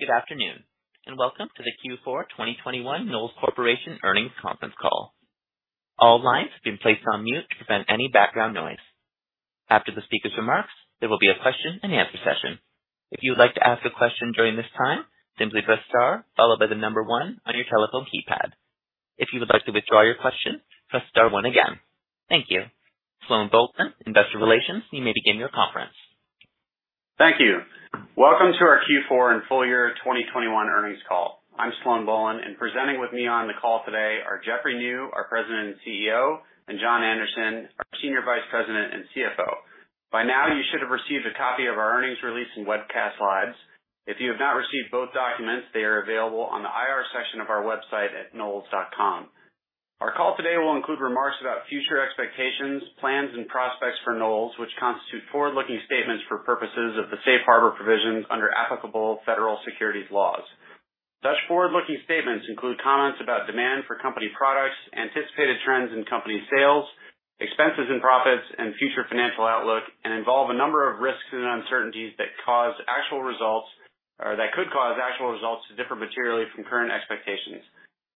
Good afternoon, and welcome to the Q4 2021 Knowles Corporation earnings conference call. All lines have been placed on mute to prevent any background noise. After the speaker's remarks, there will be a question-and-answer session. If you would like to ask a question during this time, simply press star followed by the number 1 on your telephone keypad. If you would like to withdraw your question, press star 1 again. Thank you. Sloan Bohlen, Investor Relations, you may begin your conference. Thank you. Welcome to our Q4 and full year 2021 earnings call. I'm Sloan Bohlen, and presenting with me on the call today are Jeffrey Niew, our President and CEO, and John Anderson, our Senior Vice President and CFO. By now, you should have received a copy of our earnings release and webcast slides. If you have not received both documents, they are available on the IR section of our website at knowles.com. Our call today will include remarks about future expectations, plans, and prospects for Knowles, which constitute forward-looking statements for purposes of the safe harbor provisions under applicable federal securities laws. Such forward-looking statements include comments about demand for company products, anticipated trends in company sales, expenses and profits, and future financial outlook, and involve a number of risks and uncertainties that cause actual results or that could cause actual results to differ materially from current expectations.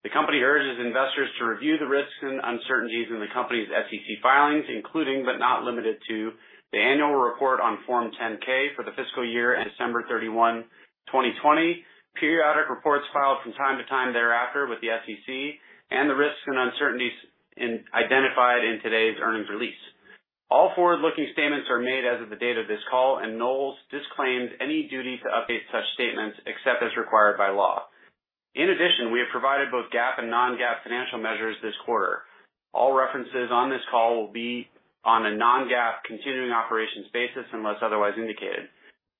The company urges investors to review the risks and uncertainties in the company's SEC filings, including, but not limited to, the annual report on Form 10-K for the fiscal year end December 31, 2020, periodic reports filed from time to time thereafter with the SEC, and the risks and uncertainties identified in today's earnings release. All forward-looking statements are made as of the date of this call, and Knowles disclaims any duty to update such statements except as required by law. In addition, we have provided both GAAP and non-GAAP financial measures this quarter. All references on this call will be on a non-GAAP continuing operations basis unless otherwise indicated.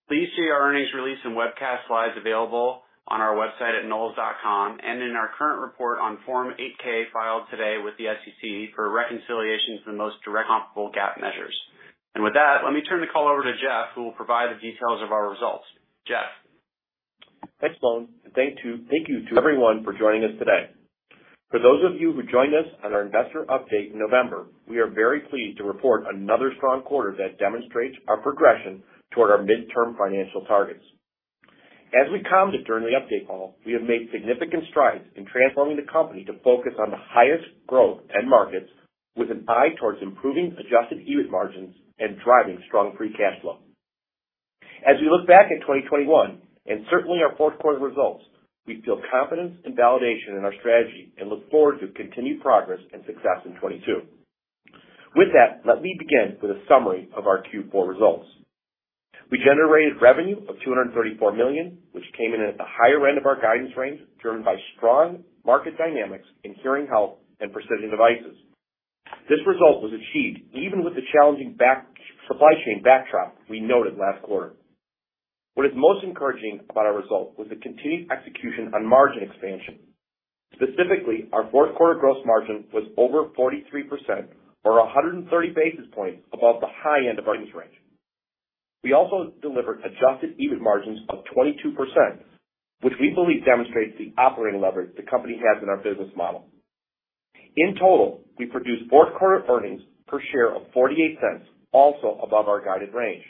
Please see our earnings release and webcast slides available on our website at knowles.com and in our current report on Form 8-K filed today with the SEC for reconciliations to the most directly comparable GAAP measures. With that, let me turn the call over to Jeff, who will provide the details of our results. Jeff. Thanks, Sloan. Thank you to everyone for joining us today. For those of you who joined us on our investor update in November, we are very pleased to report another strong quarter that demonstrates our progression toward our midterm financial targets. As we commented during the update call, we have made significant strides in transforming the company to focus on the highest growth end markets with an eye towards improving adjusted EBIT margins and driving strong free cash flow. As we look back at 2021, and certainly our fourth quarter results, we feel confidence and validation in our strategy and look forward to continued progress and success in 2022. With that, let me begin with a summary of our Q4 results. We generated revenue of $234 million, which came in at the higher end of our guidance range, driven by strong market dynamics in Hearing Health and Precision Devices. This result was achieved even with the challenging supply chain backdrop we noted last quarter. What is most encouraging about our result was the continued execution on margin expansion. Specifically, our fourth quarter gross margin was over 43% or 130 basis points above the high end of our guidance range. We also delivered adjusted EBIT margins of 22%, which we believe demonstrates the operating leverage the company has in our business model. In total, we produced fourth quarter earnings per share of $0.48, also above our guided range.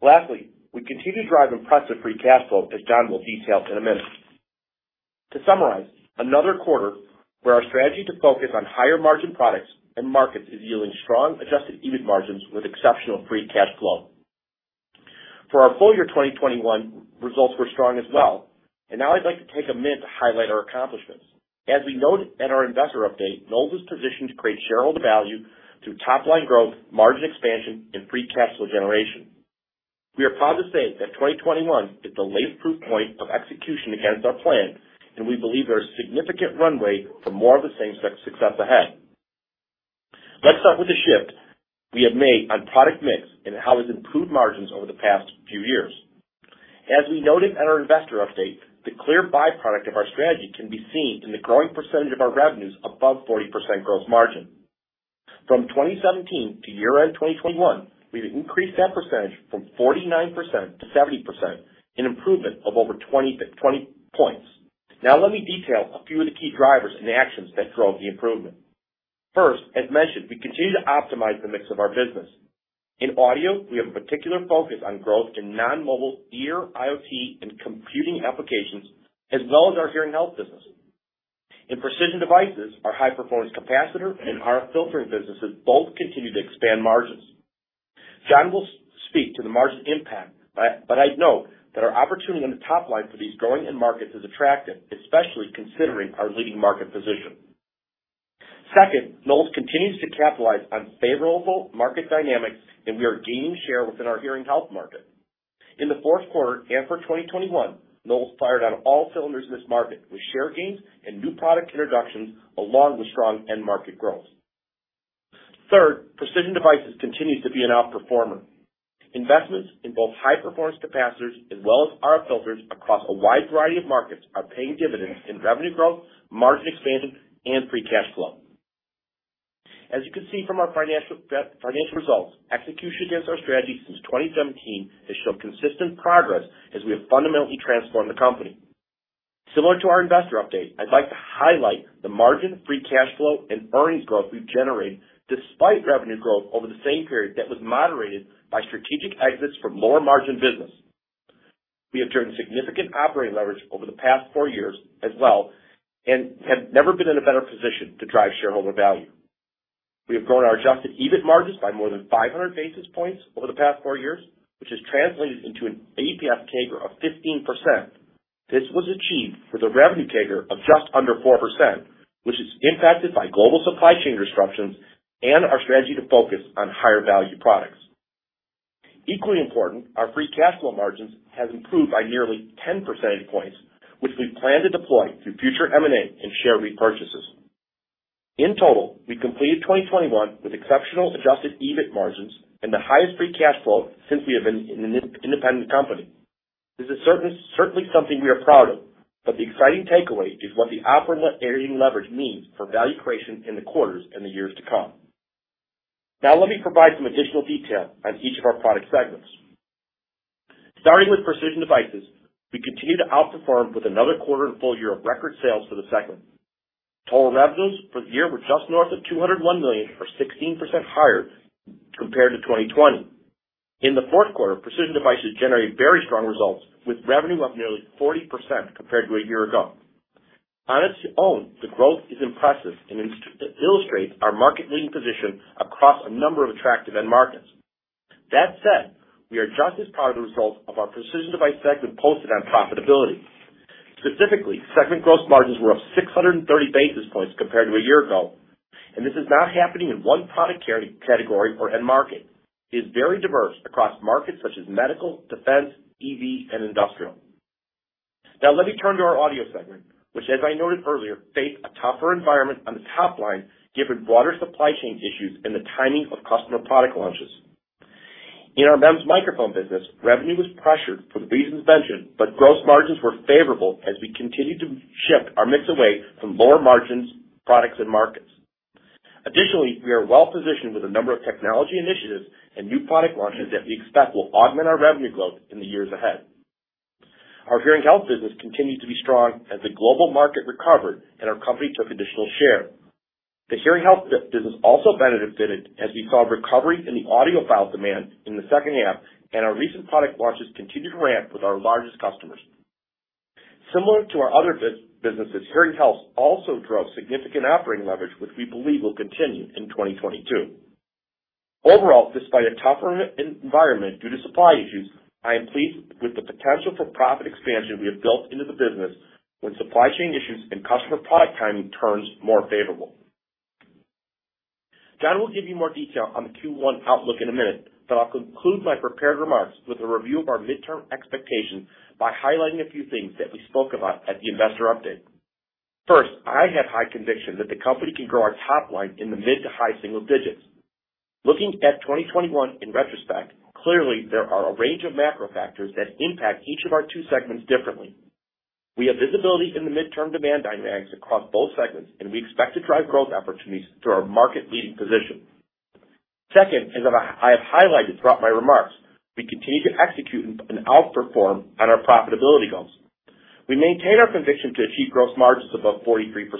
Lastly, we continue to drive impressive free cash flow, as John will detail in a minute. To summarize, another quarter where our strategy to focus on higher margin products and markets is yielding strong adjusted EBIT margins with exceptional free cash flow. For our full year 2021, results were strong as well. Now I'd like to take a minute to highlight our accomplishments. As we noted at our investor update, Knowles is positioned to create shareholder value through top-line growth, margin expansion, and free cash flow generation. We are proud to say that 2021 is the latest proof point of execution against our plan, and we believe there is significant runway for more of the same success ahead. Let's start with the shift we have made on product mix and how it's improved margins over the past few years. As we noted at our investor update, the clear byproduct of our strategy can be seen in the growing percentage of our revenues above 40% gross margin. From 2017 to year-end 2021, we've increased that percentage from 49% to 70%, an improvement of over 20 points. Now let me detail a few of the key drivers and actions that drove the improvement. First, as mentioned, we continue to optimize the mix of our business. In audio, we have a particular focus on growth in non-mobile ear IoT and computing applications, as well as our hearing health business. In Precision Devices, our high-performance capacitor and RF filtering businesses both continue to expand margins. John will speak to the margin impact, but I know that our opportunity on the top line for these growing end markets is attractive, especially considering our leading market position. Second, Knowles continues to capitalize on favorable market dynamics, and we are gaining share within our Hearing Health market. In the fourth quarter and for 2021, Knowles fired on all cylinders in this market with share gains and new product introductions along with strong end market growth. Third, Precision Devices continues to be an outperformer. Investments in both high-performance capacitors as well as RF filters across a wide variety of markets are paying dividends in revenue growth, margin expansion, and free cash flow. As you can see from our financial results, execution against our strategy since 2017 has shown consistent progress as we have fundamentally transformed the company. Similar to our investor update, I'd like to highlight the margin, free cash flow, and earnings growth we've generated despite revenue growth over the same period that was moderated by strategic exits from lower margin business. We have turned significant operating leverage over the past four years as well, and have never been in a better position to drive shareholder value. We have grown our adjusted EBIT margins by more than 500 basis points over the past four years, which has translated into an EPS CAGR of 15%. This was achieved with a revenue CAGR of just under 4%, which is impacted by global supply chain disruptions and our strategy to focus on higher value products. Equally important, our free cash flow margins has improved by nearly 10 percentage points, which we plan to deploy through future M&A and share repurchases. In total, we completed 2021 with exceptional adjusted EBIT margins and the highest free cash flow since we have been an independent company. This is certainly something we are proud of, but the exciting takeaway is what the operating leverage means for value creation in the quarters in the years to come. Now let me provide some additional detail on each of our product segments. Starting with Precision Devices, we continue to outperform with another quarter and full year of record sales for the segment. Total revenues for the year were just north of $201 million, or 16% higher compared to 2020. In the fourth quarter, Precision Devices generated very strong results, with revenue up nearly 40% compared to a year ago. On its own, the growth is impressive and illustrates our market-leading position across a number of attractive end markets. That said, we are just as proud of the results of our Precision Devices segment posted in profitability. Specifically, segment gross margins were up 630 basis points compared to a year ago, and this is now happening in one product category or end market. It is very diverse across markets such as medical, defense, EV, and industrial. Now let me turn to our audio segment, which, as I noted earlier, faced a tougher environment on the top line given broader supply chain issues and the timing of customer product launches. In our MEMS microphone business, revenue was pressured for the reasons mentioned, but gross margins were favorable as we continued to shift our mix away from lower margins, products, and markets. Additionally, we are well positioned with a number of technology initiatives and new product launches that we expect will augment our revenue growth in the years ahead. Our Hearing Health business continued to be strong as the global market recovered and our company took additional share. The Hearing Health business also benefited as we saw a recovery in the audiophile demand in the second half, and our recent product launches continued to ramp with our largest customers. Similar to our other businesses, Hearing Health also drove significant operating leverage, which we believe will continue in 2022. Overall, despite a tougher environment due to supply issues, I am pleased with the potential for profit expansion we have built into the business when supply chain issues and customer product timing turns more favorable. John will give you more detail on the Q1 outlook in a minute, but I'll conclude my prepared remarks with a review of our midterm expectations by highlighting a few things that we spoke about at the investor update. First, I have high conviction that the company can grow our top line in the mid- to high-single digits. Looking at 2021 in retrospect, clearly there are a range of macro factors that impact each of our two segments differently. We have visibility in the midterm demand dynamics across both segments, and we expect to drive growth opportunities through our market-leading position. Second is that I have highlighted throughout my remarks, we continue to execute and outperform on our profitability goals. We maintain our conviction to achieve gross margins above 43%.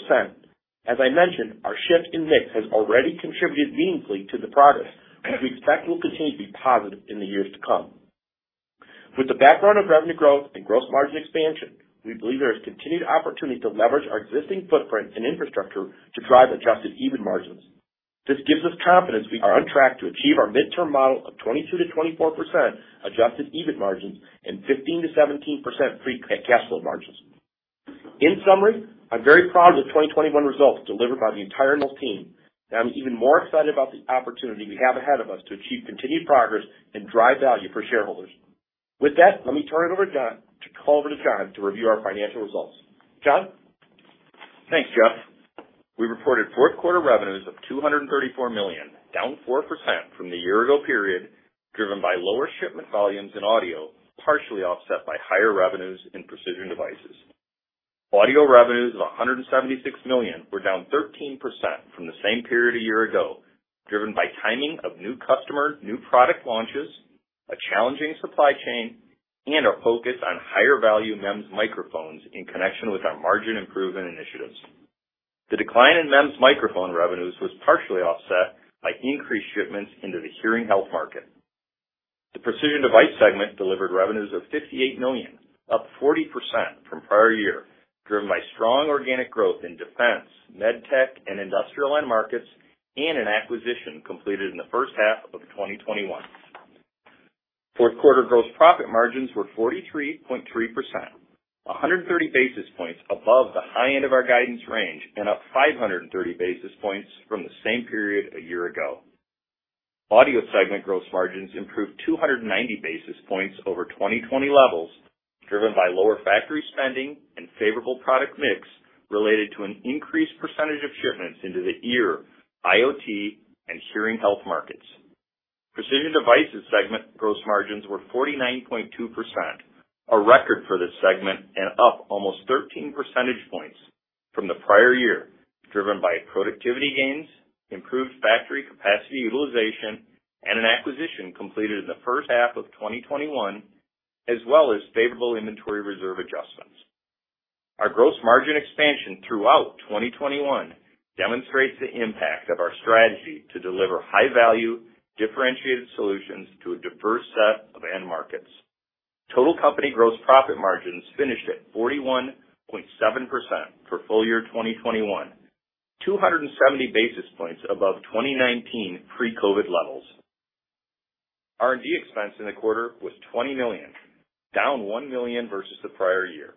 As I mentioned, our shift in mix has already contributed meaningfully to the progress, which we expect will continue to be positive in the years to come. With the background of revenue growth and gross margin expansion, we believe there is continued opportunity to leverage our existing footprint and infrastructure to drive adjusted EBIT margins. This gives us confidence we are on track to achieve our midterm model of 22%-24% adjusted EBIT margins and 15%-17% free cash flow margins. In summary, I'm very proud of the 2021 results delivered by the entire team, and I'm even more excited about the opportunity we have ahead of us to achieve continued progress and drive value for shareholders. With that, let me turn it over to John to review our financial results. John? Thanks, Jeff. We reported fourth quarter revenues of $234 million, down 4% from the year ago period, driven by lower shipment volumes in Audio, partially offset by higher revenues in Precision Devices. Audio revenues of $176 million were down 13% from the same period a year ago, driven by timing of new customers, new product launches, a challenging supply chain, and our focus on higher value MEMS microphones in connection with our margin improvement initiatives. The decline in MEMS microphone revenues was partially offset by increased shipments into the Hearing Health market. The Precision Devices segment delivered revenues of $58 million, up 40% from prior year, driven by strong organic growth in defense, medtech and industrial end markets, and an acquisition completed in the first half of 2021. Fourth quarter gross profit margins were 43.3%, 130 basis points above the high end of our guidance range and up 530 basis points from the same period a year ago. Audio segment gross margins improved 290 basis points over 2020 levels, driven by lower factory spending and favorable product mix related to an increased percentage of shipments into the ear, IoT, and hearing health markets. Precision Devices segment gross margins were 49.2%, a record for this segment and up almost 13 percentage points from the prior year, driven by productivity gains, improved factory capacity utilization, and an acquisition completed in the first half of 2021, as well as favorable inventory reserve adjustments. Our gross margin expansion throughout 2021 demonstrates the impact of our strategy to deliver high value, differentiated solutions to a diverse set of end markets. Total company gross profit margins finished at 41.7% for full year 2021, 270 basis points above 2019 pre-COVID levels. R&D expense in the quarter was $20 million, down $1 million versus the prior year.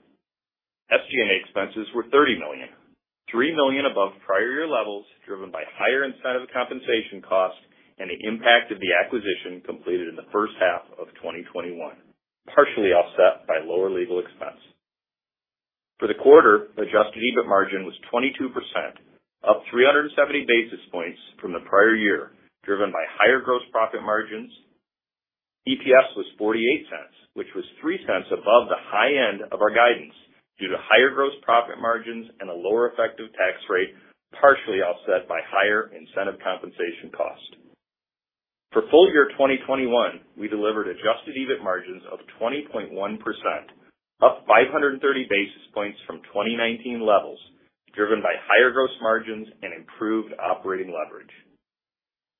SG&A expenses were $30 million, $3 million above prior year levels, driven by higher incentive compensation costs and the impact of the acquisition completed in the first half of 2021, partially offset by lower legal expense. For the quarter, adjusted EBIT margin was 22%, up 370 basis points from the prior year, driven by higher gross profit margins. EPS was $0.48, which was $0.03 above the high end of our guidance due to higher gross profit margins and a lower effective tax rate, partially offset by higher incentive compensation cost. For full year 2021, we delivered adjusted EBIT margins of 20.1%, up 530 basis points from 2019 levels, driven by higher gross margins and improved operating leverage.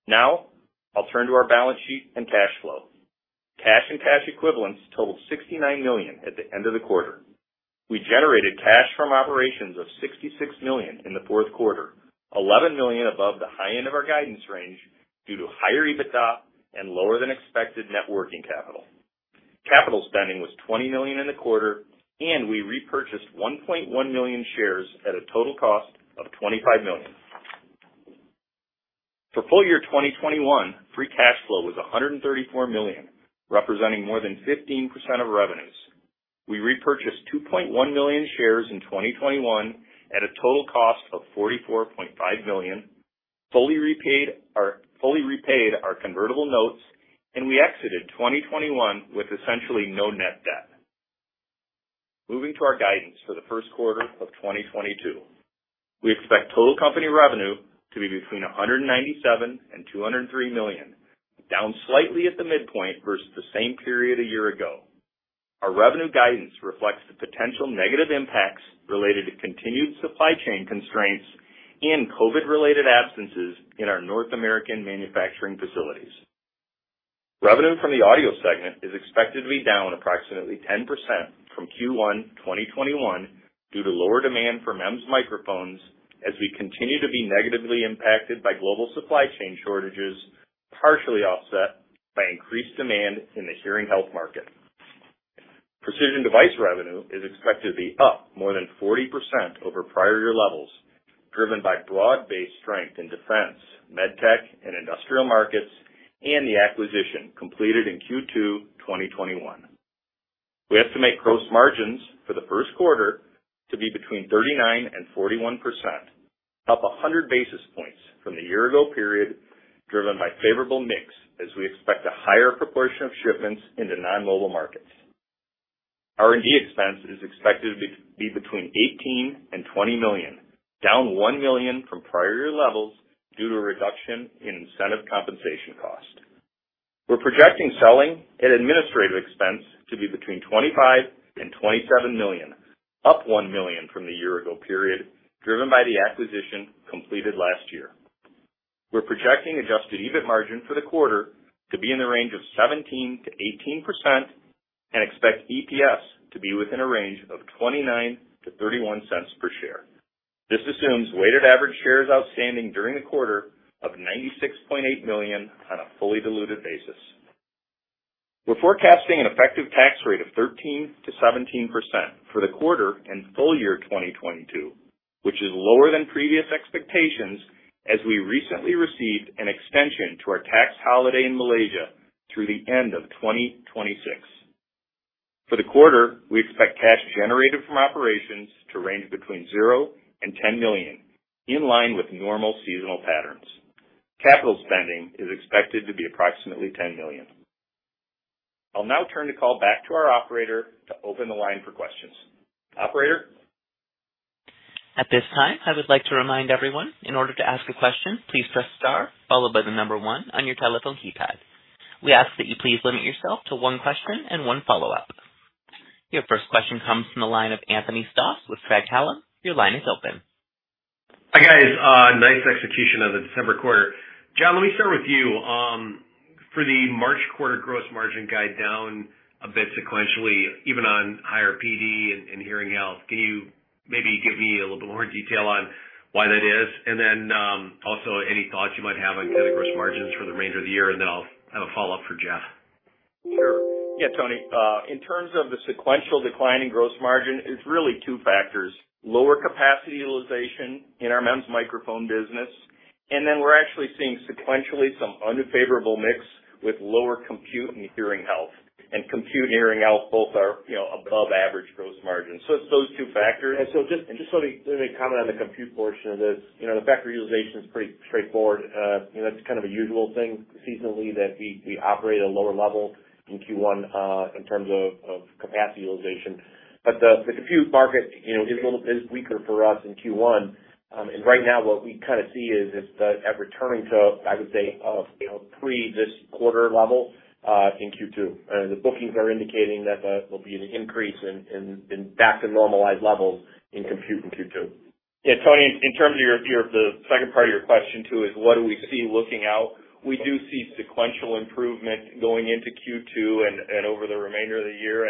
Now I'll turn to our balance sheet and cash flow. Cash and cash equivalents totaled $69 million at the end of the quarter. We generated cash from operations of $66 million in the fourth quarter, $11 million above the high end of our guidance range due to higher EBITDA and lower than expected net working capital. Capital spending was $20 million in the quarter, and we repurchased 1.1 million shares at a total cost of $25 million. For full year 2021, free cash flow was $134 million, representing more than 15% of revenues. We repurchased 2.1 million shares in 2021 at a total cost of $44.5 million, fully repaid our convertible notes, and we exited 2021 with essentially no net debt. Moving to our guidance for the first quarter of 2022. We expect total company revenue to be between $197 million and $203 million, down slightly at the midpoint versus the same period a year ago. Our revenue guidance reflects the potential negative impacts related to continued supply chain constraints and COVID-related absences in our North American manufacturing facilities. Revenue from the audio segment is expected to be down approximately 10% from Q1 2021 due to lower demand for MEMS microphones as we continue to be negatively impacted by global supply chain shortages, partially offset by increased demand in the hearing health market. Precision Devices revenue is expected to be up more than 40% over prior year levels, driven by broad-based strength in defense, medtech and industrial markets, and the acquisition completed in Q2 2021. We estimate gross margins for the first quarter to be between 39% and 41%, up 100 basis points from the year ago period, driven by favorable mix as we expect a higher proportion of shipments in the non-mobile markets. R&D expense is expected to be between $18 million and $20 million, down $1 million from prior year levels due to a reduction in incentive compensation cost. We're projecting selling and administrative expense to be between $25 million and $27 million, up $1 million from the year-ago period, driven by the acquisition completed last year. We're projecting adjusted EBIT margin for the quarter to be in the range of 17%-18% and expect EPS to be within a range of $0.29-$0.31 per share. This assumes weighted average shares outstanding during the quarter of 96.8 million on a fully diluted basis. We're forecasting an effective tax rate of 13%-17% for the quarter and full year 2022, which is lower than previous expectations as we recently received an extension to our tax holiday in Malaysia through the end of 2026. For the quarter, we expect cash generated from operations to range between $0 and $10 million, in line with normal seasonal patterns. Capital spending is expected to be approximately $10 million. I'll now turn the call back to our operator to open the line for questions. Operator? At this time, I would like to remind everyone, in order to ask a question, please press star followed by the number one on your telephone keypad. We ask that you please limit yourself to one question and one follow-up. Your first question comes from the line of Anthony Stoss with Craig-Hallum. Your line is open. Hi, guys. Nice execution of the December quarter. John, let me start with you. For the March quarter gross margin guide down a bit sequentially, even on higher PD and hearing health, can you maybe give me a little bit more detail on why that is? Also any thoughts you might have on kind of gross margins for the remainder of the year, and then I'll have a follow-up for Jeff. Sure. Yeah, Tony. In terms of the sequential decline in gross margin, it's really two factors, lower capacity utilization in our MEMS microphone business, and then we're actually seeing sequentially some unfavorable mix with lower compute and Hearing Health. Compute hearing health both are, you know, above average gross margin. It's those two factors. Just so let me comment on the compute portion of this. You know, the factory utilization is pretty straightforward. You know, that's kind of a usual thing seasonally that we operate at a lower level in Q1, in terms of. Capacity utilization. The compute market, you know, is a little bit weaker for us in Q1. Right now what we kinda see is it's returning to, I would say, you know, pre this quarter level in Q2. The bookings are indicating that there will be an increase back to normalized levels in compute in Q2. Yeah, Tony, in terms of the second part of your question too is what do we see looking out, we do see sequential improvement going into Q2 and over the remainder of the year.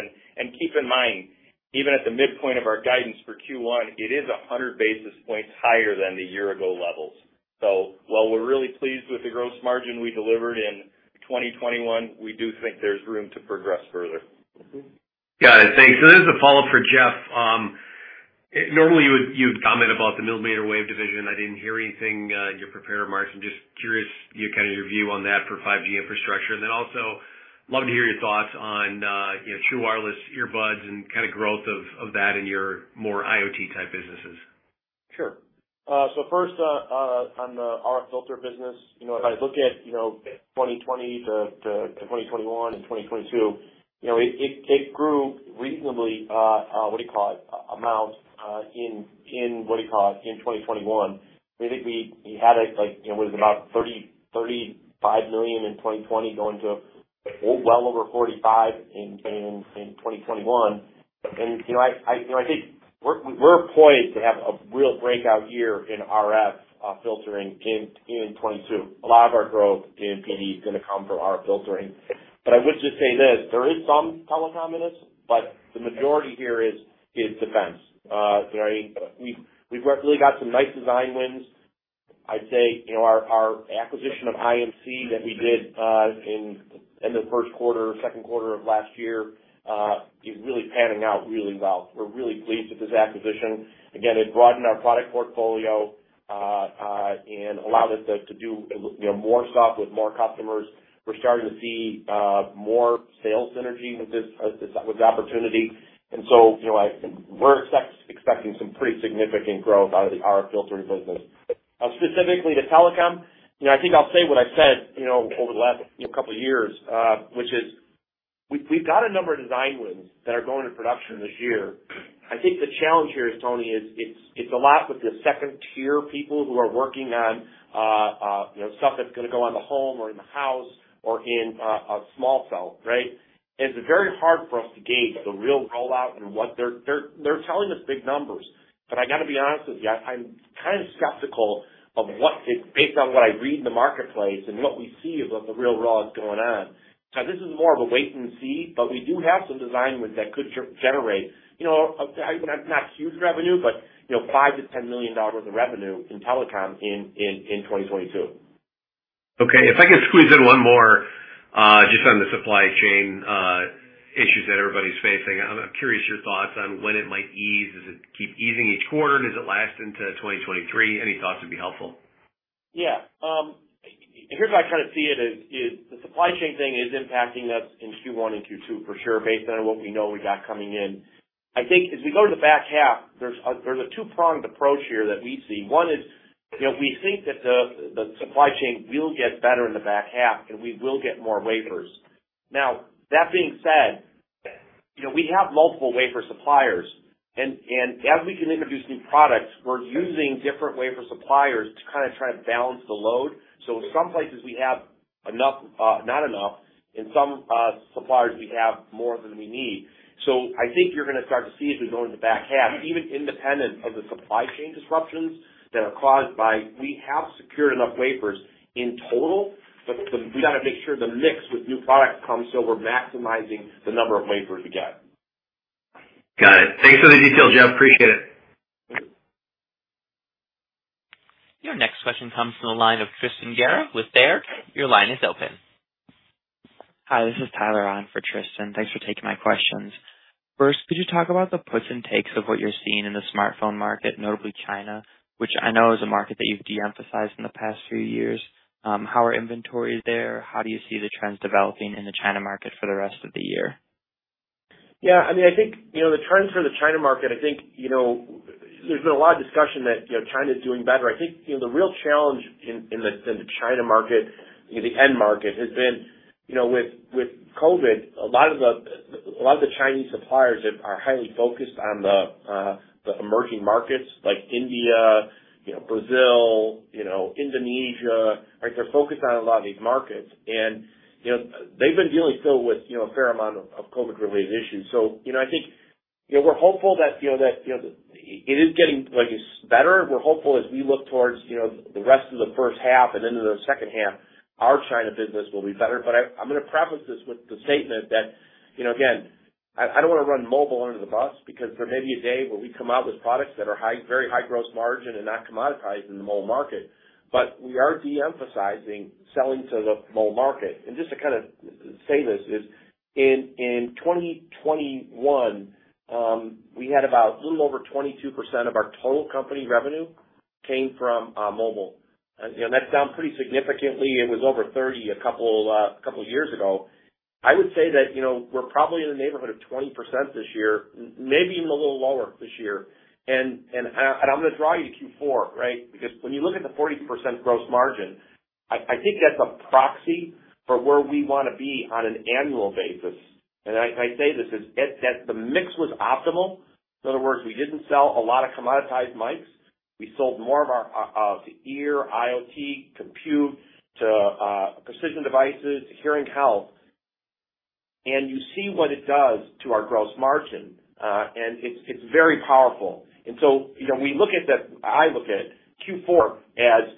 Keep in mind, even at the midpoint of our guidance for Q1, it is 100 basis points higher than the year ago levels. While we're really pleased with the gross margin we delivered in 2021, we do think there's room to progress further. Got it. Thanks. This is a follow-up for Jeffrey. Normally, you would comment about the millimeter wave division. I didn't hear anything in your prepared remarks. I'm just curious about your view on that for 5G infrastructure. I love to hear your thoughts on, you know, true wireless earbuds and kind of growth of that in your more IoT type businesses. Sure. First, on the RF filter business, you know, if I look at 2020 to 2021 and 2022, you know, it grew reasonable amounts in 2021. I think we had it like, you know, it was about $30 million-$35 million in 2020 going to well over $45 million in 2021. You know, I think we're poised to have a real breakout year in RF filtering in 2022. A lot of our growth in PD is gonna come from RF filtering. I would just say this, there is some telecom in this, but the majority here is defense. You know what I mean? We've really got some nice design wins. I'd say, you know, our acquisition of IMC that we did in the first quarter, second quarter of last year is really panning out really well. We're really pleased with this acquisition. Again, it broadened our product portfolio and allowed us to do, you know, more stuff with more customers. We're starting to see more sales synergy with this opportunity. You know, we're expecting some pretty significant growth out of the RF filtering business. Specifically to telecom, you know, I think I'll say what I've said, you know, over the last, you know, couple of years, which is we've got a number of design wins that are going to production this year. I think the challenge here, Tony, is a lot with the second tier people who are working on you know stuff that's gonna go on the home or in the house or in a small cell, right? It's very hard for us to gauge the real rollout and what they're telling us big numbers, but I gotta be honest with you, I'm kind of skeptical of what it's based on what I read in the marketplace and what we see of what the real rollout is going on. This is more of a wait and see, but we do have some design wins that could generate you know not huge revenue, but you know $5 million-$10 million of revenue in telecom in 2022. Okay. If I could squeeze in one more, just on the supply chain issues that everybody's facing. I'm curious your thoughts on when it might ease. Does it keep easing each quarter? Does it last into 2023? Any thoughts would be helpful. Yeah. Here's how I kind of see it is, the supply chain thing is impacting us in Q1 and Q2 for sure, based on what we know we got coming in. I think as we go to the back half, there's a two-pronged approach here that we see. One is, you know, we think that the supply chain will get better in the back half and we will get more wafers. Now that being said, you know, we have multiple wafer suppliers and as we can introduce new products, we're using different wafer suppliers to kinda try and balance the load. In some places we have enough, not enough. In some suppliers, we have more than we need. I think you're gonna start to see as we go into the back half, even independent of the supply chain disruptions that are caused by. We have secured enough wafers in total, but we gotta make sure the mix with new product comes, so we're maximizing the number of wafers we get. Got it. Thanks for the detail, Jeff. Appreciate it. Your next question comes from the line of Tristan Gerra with Baird. Your line is open. Hi, this is Tyler on for Tristan. Thanks for taking my questions. First, could you talk about the puts and takes of what you're seeing in the smartphone market, notably China, which I know is a market that you've de-emphasized in the past few years. How are inventories there? How do you see the trends developing in the China market for the rest of the year? Yeah, I mean, I think, you know, the trends for the China market, I think, you know, there's been a lot of discussion that, you know, China's doing better. I think, you know, the real challenge in the China market, in the end market has been, you know, with COVID, a lot of the Chinese suppliers are highly focused on the emerging markets like India, you know, Brazil, you know, Indonesia, right? They're focused on a lot of these markets. You know, they've been dealing still with, you know, a fair amount of COVID related issues. You know, I think, you know, we're hopeful that, you know, it is getting like better. We're hopeful as we look towards, you know, the rest of the first half and into the second half, our China business will be better. I'm gonna preface this with the statement that, you know, again, I don't wanna run mobile under the bus because there may be a day where we come out with products that are very high gross margin and not commoditized in the mobile market. We are de-emphasizing selling to the mobile market. Just to kind of say this is in 2021, we had about a little over 22% of our total company revenue came from mobile. You know, that's down pretty significantly. It was over 30% a couple years ago. I would say that, you know, we're probably in the neighborhood of 20% this year, maybe even a little lower this year. I'm gonna draw you to Q4, right? Because when you look at the 40% gross margin. I think that's a proxy for where we wanna be on an annual basis. I say this as if that's the mix was optimal. In other words, we didn't sell a lot of commoditized mics. We sold more of our ear IoT, Precision Devices, Hearing Health. You see what it does to our gross margin, and it's very powerful. You know, we look at the I look at Q4 as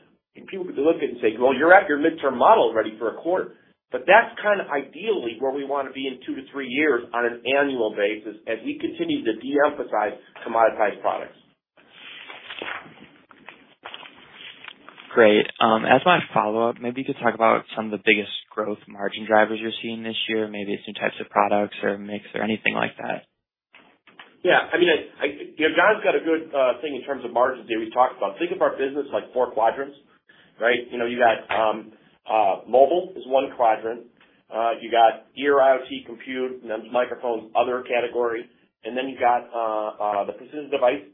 people could look at it and say, "Well, you're at your midterm model already for a quarter." That's kinda ideally where we wanna be in 2-3 years on an annual basis as we continue to de-emphasize commoditized products. Great. As my follow-up, maybe you could talk about some of the biggest growth margin drivers you're seeing this year, maybe some types of products or mix or anything like that? Yeah. I mean, you know, John's got a good thing in terms of margins that we talked about. Think of our business like four quadrants, right? You know, you got mobile is one quadrant. You got ear IoT, compute, and then there's microphone, other category, and then you've got the Precision Devices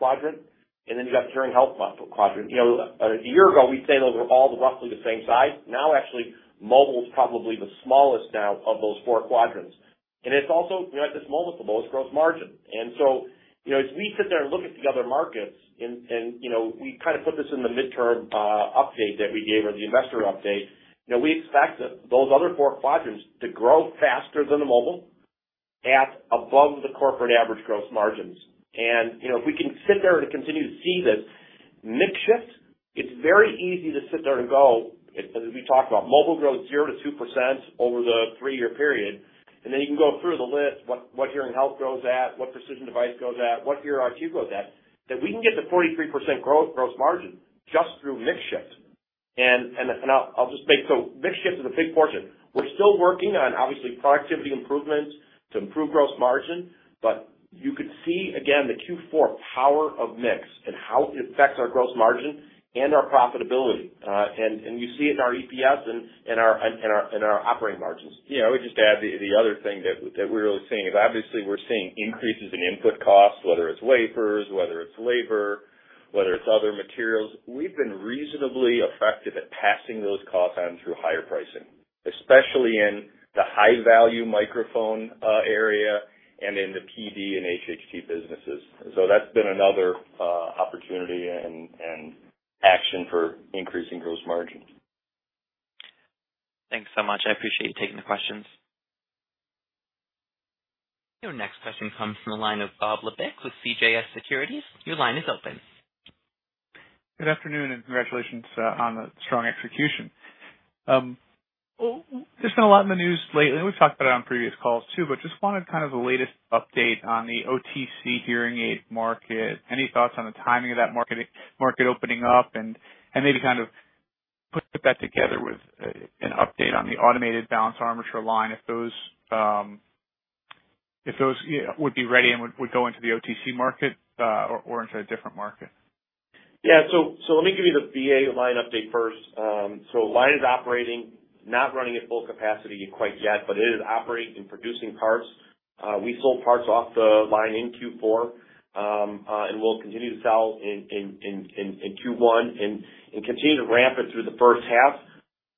quadrant, and then you've got the Hearing Health quadrant. You know, a year ago, we'd say those were all roughly the same size. Now, actually mobile's probably the smallest now of those four quadrants. It's also, you know, at this moment, the most gross margin. You know, as we sit there and look at the other markets and you know, we kinda put this in the midterm update that we gave or the investor update, you know, we expect that those other four quadrants to grow faster than the mobile at above the corporate average gross margins. You know, if we can sit there and continue to see this mix shift, it's very easy to sit there and go, if as we talked about mobile grows 0%-2% over the three-year period, and then you can go through the list, what Hearing Health grows at, what Precision Devices grows at, what ear IoT grows at, that we can get to 43% gross margin just through mix shift. So mix shift is a big portion. We're still working on, obviously, productivity improvements to improve gross margin, but you could see again the Q4 power of mix and how it affects our gross margin and our profitability. You see it in our EPS and our operating margins. Yeah. I would just add the other thing that we're really seeing is obviously we're seeing increases in input costs, whether it's wafers, whether it's labor, whether it's other materials. We've been reasonably effective at passing those costs on through higher pricing, especially in the high value microphone area and in the PD and HH businesses. That's been another opportunity and action for increasing gross margin. Thanks so much. I appreciate you taking the questions. Your next question comes from the line of Bob Labick with CJS Securities. Your line is open. Good afternoon, and congratulations on the strong execution. There's been a lot in the news lately. We've talked about it on previous calls too, but just wanted kind of the latest update on the OTC hearing aid market. Any thoughts on the timing of that market opening up and maybe kind of put that together with an update on the automated balanced armature line, if those would be ready and would go into the OTC market or into a different market. Yeah. Let me give you the BA line update first. Line is operating, not running at full capacity quite yet, but it is operating and producing parts. We sold parts off the line in Q4, and we'll continue to sell in Q1 and continue to ramp it through the first half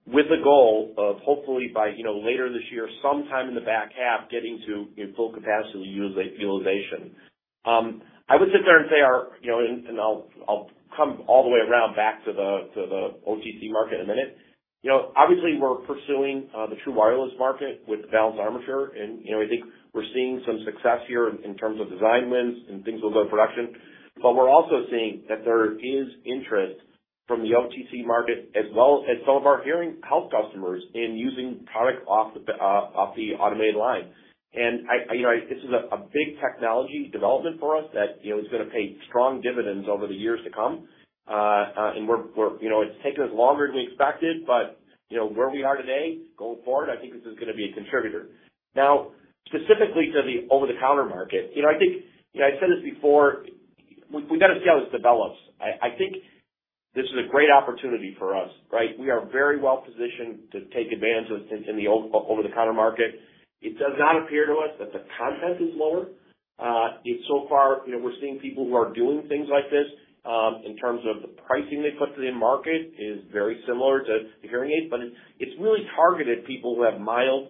with the goal of hopefully by, you know, later this year, sometime in the back half, getting to full capacity utilization. I would sit there and say. You know, and I'll come all the way around back to the OTC market in a minute. You know, obviously we're pursuing the true wireless market with balanced armature, and, you know, I think we're seeing some success here in terms of design wins and things of that nature. We're also seeing that there is interest from the OTC market as well as some of our hearing health customers in using product off the automated line. I, you know, this is a big technology development for us that, you know, is gonna pay strong dividends over the years to come. We're, you know, it's taken us longer than we expected, but, you know, where we are today going forward, I think this is gonna be a contributor. Now, specifically to the over-the-counter market, you know, I think, you know, I've said this before, we gotta see how this develops. I think this is a great opportunity for us, right? We are very well positioned to take advantage of in the over-the-counter market. It does not appear to us that the content is lower. It's so far, you know, we're seeing people who are doing things like this in terms of the pricing they put to the market is very similar to hearing aids, but it's really targeted people who have mild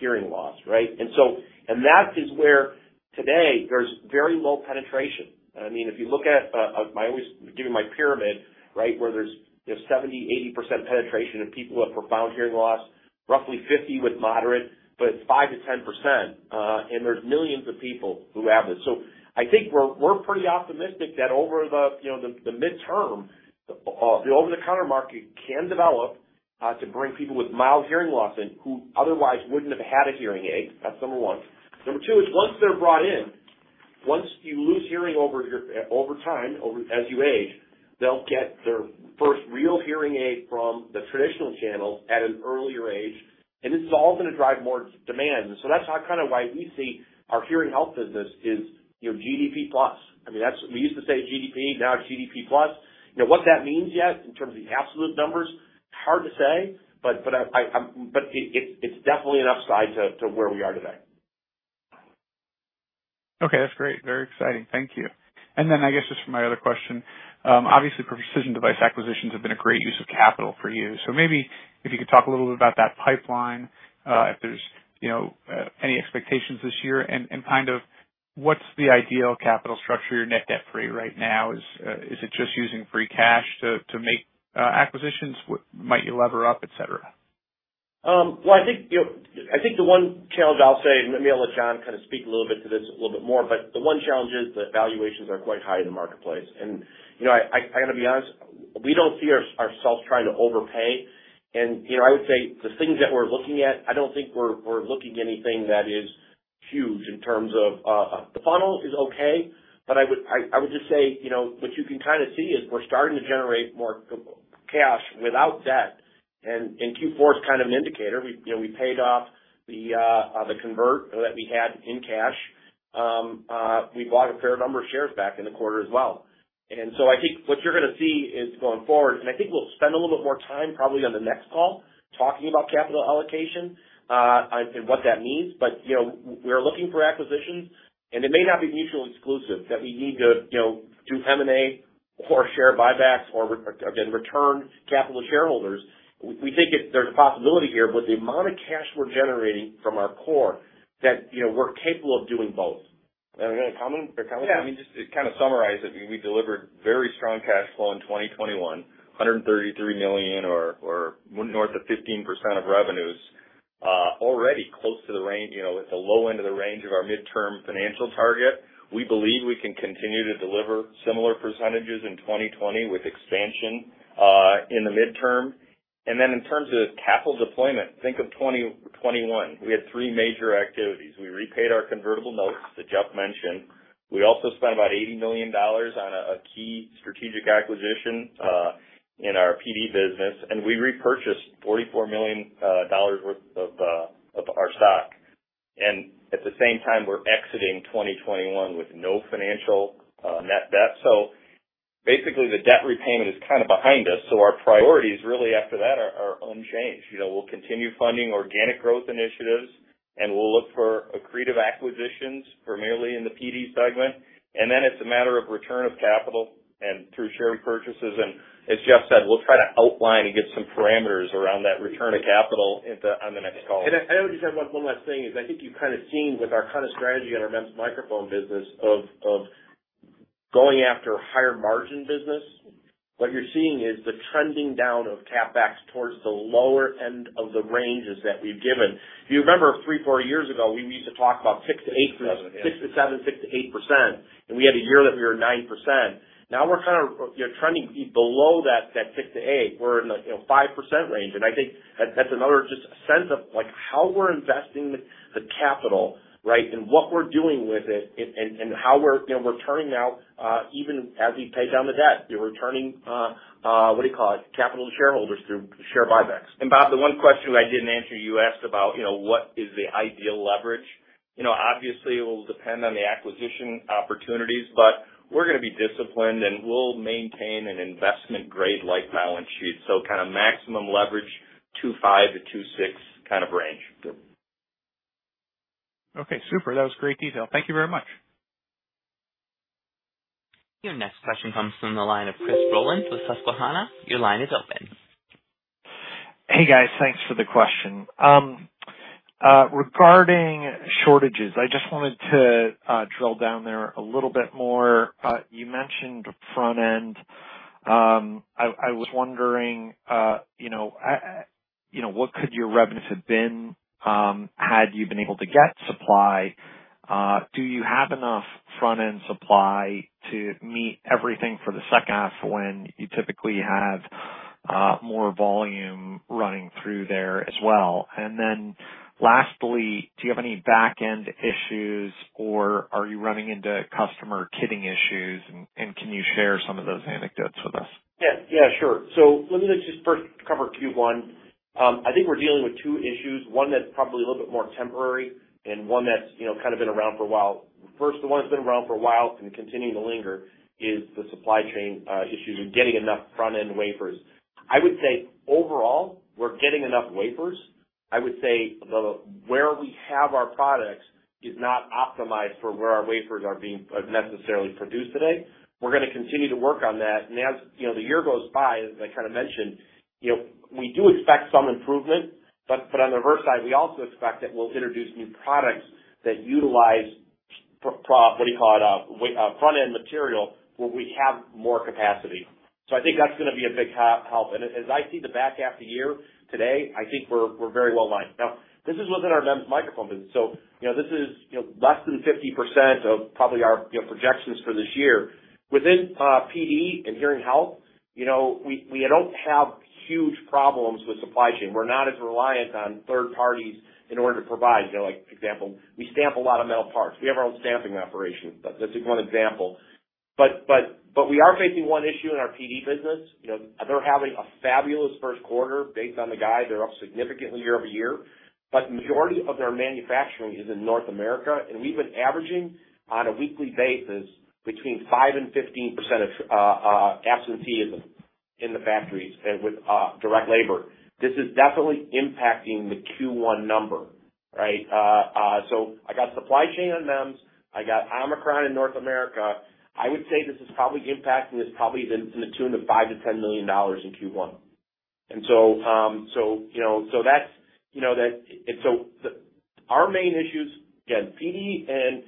hearing loss, right? And that is where today there's very low penetration. I mean, if you look at, I always give my pyramid, right, where there's, you know, 70%-80% penetration in people who have profound hearing loss, roughly 50 with moderate, but it's 5%-10%, and there's millions of people who have this. So I think we're pretty optimistic that over the, you know, the midterm, the over-the-counter market can develop to bring people with mild hearing loss in who otherwise wouldn't have had a hearing aid. That's number one. Number two is once they're brought in, once you lose hearing over your, over time, over as you age, they'll get their first real hearing aid from the traditional channel at an earlier age. This is all gonna drive more demand. That's how kinda why we see our Hearing Health business is, you know, GDP plus. I mean, that's what we used to say, GDP, now it's GDP plus. You know, what that means yet in terms of the absolute numbers, hard to say, but it's definitely an upside to where we are today. Okay, that's great. Very exciting. Thank you. I guess just for my other question, obviously Precision Devices acquisitions have been a great use of capital for you. Maybe if you could talk a little bit about that pipeline, if there's, you know, any expectations this year and kind of what's the ideal capital structure you're net debt free right now? Is it just using free cash to make acquisitions? Might you lever up, et cetera? Well, I think, you know, the one challenge I'll say, and maybe I'll let John kind of speak a little bit to this a little bit more, but the one challenge is that valuations are quite high in the marketplace. You know, I gotta be honest, we don't see ourselves trying to overpay. You know, I would say the things that we're looking at, I don't think we're looking anything that is huge in terms of. The funnel is okay, but I would just say, you know, what you can kind of see is we're starting to generate more cash without debt, and Q4 is kind of an indicator. You know, we paid off the convert that we had in cash. We bought a fair number of shares back in the quarter as well. I think what you're gonna see is going forward, and I think we'll spend a little bit more time probably on the next call talking about capital allocation, and what that means. You know, we're looking for acquisitions, and it may not be mutually exclusive that we need to, you know, do M&A or share buybacks or again, return capital to shareholders. We think there's a possibility here, but the amount of cash we're generating from our core that, you know, we're capable of doing both. You want to comment? Yeah. Let me just kind of summarize it. We delivered very strong cash flow in 2021, 133 million north of 15% of revenues, already close to the range, you know, at the low end of the range of our midterm financial target. We believe we can continue to deliver similar percentages in 2020 with expansion in the midterm. In terms of capital deployment, think of 2021. We had three major activities. We repaid our convertible notes that Jeff mentioned. We also spent about $80 million on a key strategic acquisition in our PD business, and we repurchased $44 million worth of our stock. At the same time, we're exiting 2021 with no financial net debt. Basically, the debt repayment is kind of behind us, so our priorities really after that are unchanged. You know, we'll continue funding organic growth initiatives, and we'll look for accretive acquisitions primarily in the PD segment. Then it's a matter of return of capital and through share repurchases. As Jeff said, we'll try to outline and get some parameters around that return of capital on the next call. I would just add one last thing. I think you've kind of seen with our kind of strategy on our MEMS microphone business of going after higher margin business. What you're seeing is the trending down of CapEx towards the lower end of the ranges that we've given. If you remember three or four years ago, we used to talk about 6-8 Seven, yeah. 6-7, 6%-8%, and we had a year that we were at 9%. Now we're kind of, you know, trending below that 6%-8%. We're in the, you know, 5% range. I think that's another just sense of like how we're investing the capital, right? What we're doing with it and how we're, you know, returning now, even as we pay down the debt. We're returning capital to shareholders through share buybacks. Bob, the one question I didn't answer, you asked about, you know, what is the ideal leverage? You know, obviously, it will depend on the acquisition opportunities, but we're gonna be disciplined, and we'll maintain an investment-grade-like balance sheet. kind of maximum leverage, 2.5-2.6 kind of range. Okay. Super. That was great detail. Thank you very much. Your next question comes from the line of Chris Rolland with Susquehanna. Your line is open. Hey, guys. Thanks for the question. Regarding shortages, I just wanted to drill down there a little bit more. You mentioned front end. I was wondering, you know, what could your revenues have been, had you been able to get supply? Do you have enough front-end supply to meet everything for the second half when you typically have more volume running through there as well? And then lastly, do you have any back-end issues, or are you running into customer kitting issues, and can you share some of those anecdotes with us? Yeah. Yeah, sure. Let me just first cover Q1. I think we're dealing with two issues, one that's probably a little bit more temporary and one that's, you know, kind of been around for a while. First, the one that's been around for a while and continuing to linger is the supply chain issues and getting enough front-end wafers. I would say overall, we're getting enough wafers. I would say the where we have our products is not optimized for where our wafers are being necessarily produced today. We're gonna continue to work on that. As you know, the year goes by, as I kind of mentioned, you know, we do expect some improvement, but on the reverse side, we also expect that we'll introduce new products that utilize. What do you call it? Front-end material where we have more capacity. So I think that's gonna be a big help. As I see the back half of the year today, I think we're very well aligned. Now, this is within our MEMS microphone business. So, you know, this is, you know, less than 50% of probably our, you know, projections for this year. Within, PD and hearing health, you know, we don't have huge problems with supply chain. We're not as reliant on third parties in order to provide. You know, like example, we stamp a lot of metal parts. We have our own stamping operation. But this is one example. But we are facing one issue in our PD business. You know, they're having a fabulous first quarter based on the guide. They're up significantly year-over-year. Majority of their manufacturing is in North America, and we've been averaging on a weekly basis between 5% and 15% absenteeism in the factories and with direct labor. This is definitely impacting the Q1 number, right? So I got supply chain on MEMS. I got Omicron in North America. I would say this is probably impacting in the tune of $5 million-$10 million in Q1. You know, that's it. Our main issues, again, PD and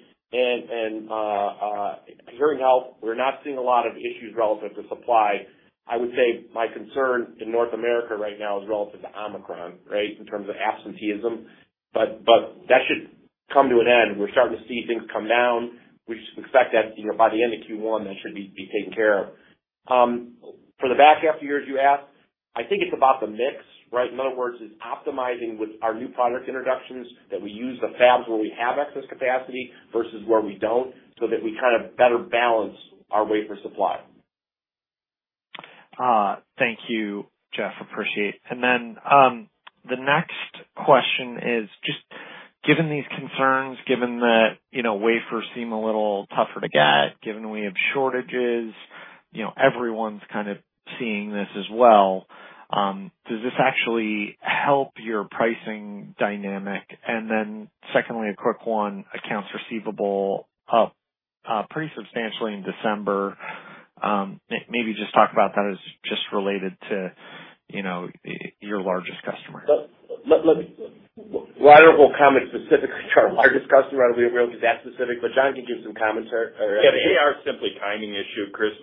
hearing health, we're not seeing a lot of issues relative to supply. I would say my concern in North America right now is relative to Omicron, right? In terms of absenteeism, but that should come to an end. We're starting to see things come down. We expect that, you know, by the end of Q1, that should be taken care of. For the back half of the year, as you asked, I think it's about the mix, right? In other words, it's optimizing with our new product introductions that we use the fabs where we have excess capacity versus where we don't, so that we kind of better balance our wafer supply. Thank you, Jeff. Appreciate. Then, the next question is just given these concerns, given that, you know, wafers seem a little tougher to get, given we have shortages, you know, everyone's kind of seeing this as well, does this actually help your pricing dynamic? Then secondly, a quick one. Accounts receivable up pretty substantially in December. Maybe just talk about that as just related to, you know, your largest customer. Well, I won't comment specifically to our largest customer. I won't be real that specific, but John can give some commentary or- Yeah. The AR is simply a timing issue, Chris.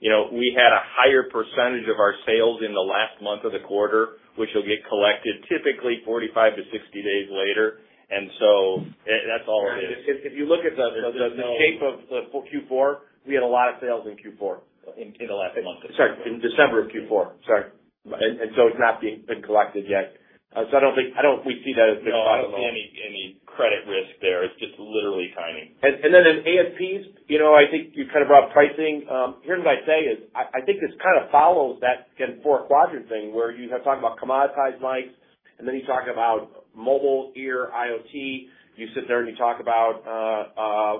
You know, we had a higher percentage of our sales in the last month of the quarter, which will get collected typically 45-60 days later. That's all it is. If you look at the shape of the Q4, we had a lot of sales in Q4. In the last month of December. Sorry, in December of Q4. Sorry. It's not been collected yet. I don't think we see that as a big problem at all. No, I don't see any credit risk there. It's just literally timing. Then in ASPs, you know, I think you kind of brought pricing. Here's what I'd say is, I think this kind of follows that, again, four quadrant thing where you have talked about commoditized mics, and then you talk about mobile ear IoT. You sit there and you talk about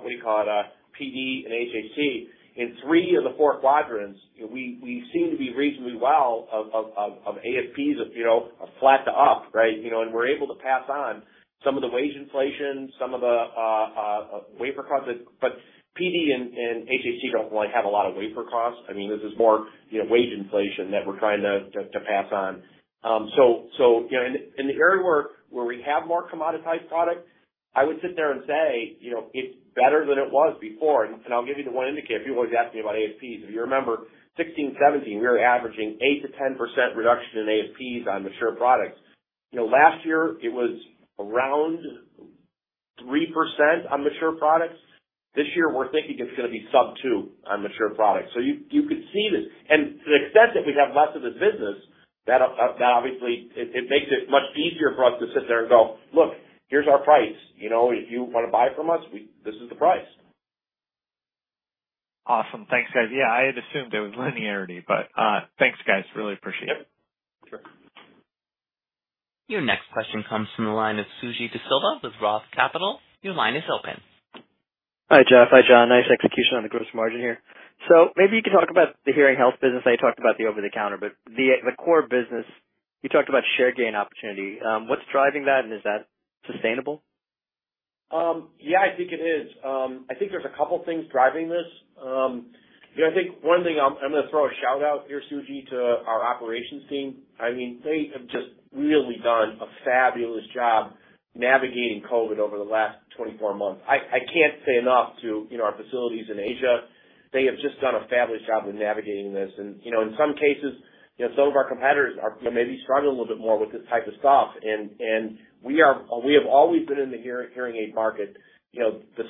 what do you call it? PD and HAC. In three of the four quadrants, we seem to be reasonably well off of ASPs, you know, of flat to up, right? You know, and we're able to pass on some of the wage inflation, some of the wafer costs that PD and HAC don't really have a lot of wafer costs. I mean, this is more, you know, wage inflation that we're trying to pass on. In the area where we have more commoditized products, I would sit there and say, you know, it's better than it was before. I'll give you the one indicator. People always ask me about ASPs. If you remember 2016, 2017, we were averaging 8%-10% reduction in ASPs on mature products. You know, last year it was around 3% on mature products. This year, we're thinking it's gonna be sub 2% on mature products. You could see this. To the extent that we have less of this business, that obviously it makes it much easier for us to sit there and go, "Look, here's our price. You know, if you wanna buy from us, we this is the price. Awesome. Thanks, guys. Yeah, I had assumed it was linearity, but, thanks, guys. I really appreciate it. Yep. Sure. Your next question comes from the line of Suji Desilva with Roth Capital. Your line is open. Hi, Jeff. Hi, John. Nice execution on the gross margin here. Maybe you could talk about the hearing health business. I know you talked about the over-the-counter, but the core business, you talked about share gain opportunity. What's driving that, and is that sustainable? Yeah, I think it is. I think there's a couple things driving this. You know, I think one thing I'm gonna throw a shout-out here, Suji, to our operations team. I mean, they have just really done a fabulous job navigating COVID over the last 24 months. I can't say enough to, you know, our facilities in Asia. They have just done a fabulous job with navigating this. You know, in some cases, you know, some of our competitors are, you know, maybe struggling a little bit more with this type of stuff. We have always been in the hearing aid market, you know, the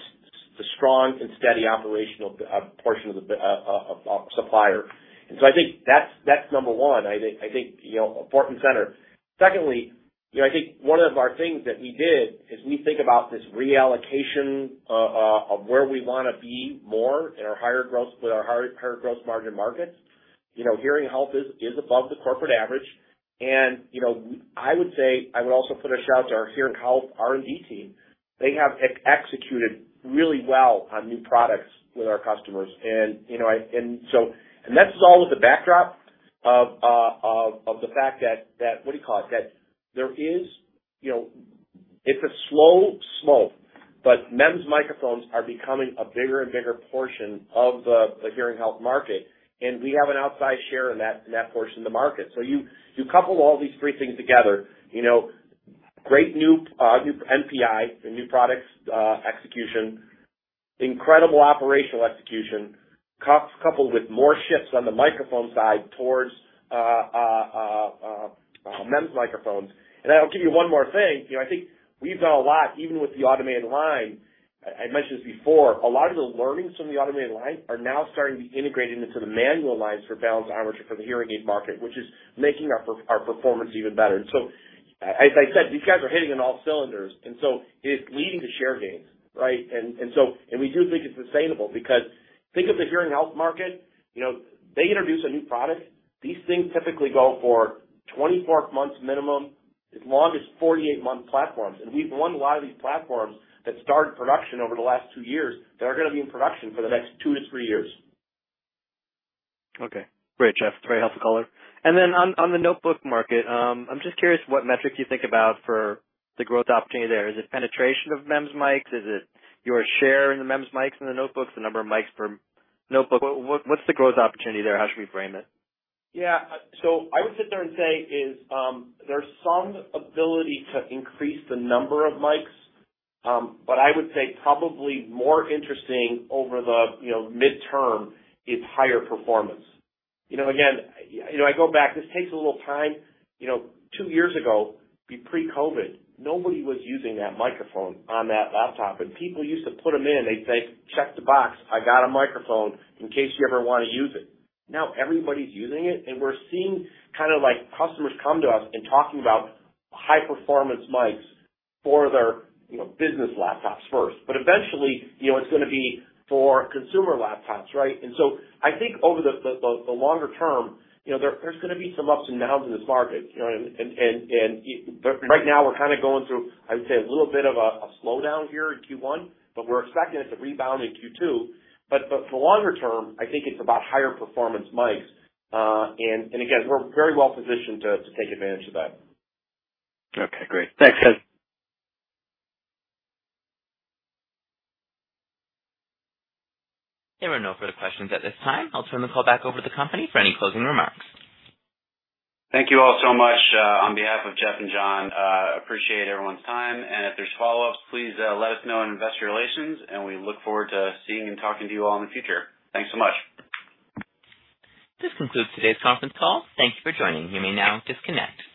strong and steady operational portion of supplier. I think that's number one, I think, you know, important factor. Secondly, you know, I think one of our things that we did is we think about this reallocation of where we wanna be more in our higher gross, with our higher gross margin markets. You know, Hearing Health is above the corporate average. You know, I would say I would also put a shout-out to our Hearing Health R&D team. They have executed really well on new products with our customers. That's all with the backdrop of the fact that there is, you know, it's a slow slope, but MEMS microphones are becoming a bigger and bigger portion of the Hearing Health market, and we have an outsized share in that portion of the market. You couple all these three things together, you know, great new NPI, the new products, execution, incredible operational execution, coupled with more shifts on the microphone side towards MEMS microphones. I'll give you one more thing. You know, I think we've done a lot even with the automated line. I mentioned this before. A lot of the learnings from the automated line are now starting to be integrated into the manual lines for balanced armature for the hearing aid market, which is making our performance even better. As I said, these guys are hitting on all cylinders, so it's leading to share gains, right? We do think it's sustainable because think of the hearing health market, you know, they introduce a new product. These things typically go for 24 months minimum, as long as 48-month platforms. We've won a lot of these platforms that started production over the last two years that are gonna be in production for the next 2-3 years. Okay. Great, Jeff. It's very helpful color. On the notebook market, I'm just curious what metrics you think about for the growth opportunity there. Is it penetration of MEMS mics? Is it your share in the MEMS mics in the notebooks, the number of mics per notebook? What's the growth opportunity there? How should we frame it? Yeah. I would sit there and say there's some ability to increase the number of mics. I would say probably more interesting over the midterm is higher performance. You know, again, you know, I go back, this takes a little time. You know, two years ago, pre-COVID, nobody was using that microphone on that laptop, but people used to put them in. They'd say, "Check the box. I got a microphone in case you ever wanna use it." Now everybody's using it, and we're seeing kind of like customers come to us and talking about high-performance mics for their business laptops first. Eventually, you know, it's gonna be for consumer laptops, right? I think over the longer term, you know, there's gonna be some ups and downs in this market, you know. Right now we're kinda going through, I would say, a little bit of a slowdown here in Q1, but we're expecting it to rebound in Q2. For longer term, I think it's about higher performance mics. Again, we're very well positioned to take advantage of that. Okay, great. Thanks, guys. There are no further questions at this time. I'll turn the call back over to the company for any closing remarks. Thank you all so much, on behalf of Jeff and John. Appreciate everyone's time. If there's follow-ups, please, let us know in Investor Relations, and we look forward to seeing and talking to you all in the future. Thanks so much. This concludes today's conference call. Thank you for joining. You may now disconnect.